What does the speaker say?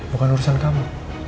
bukan urusan kamu